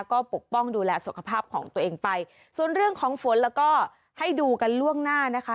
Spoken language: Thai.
ก็ปกป้องดูแลสุขภาพของตัวเองไปส่วนเรื่องของฝนแล้วก็ให้ดูกันล่วงหน้านะคะ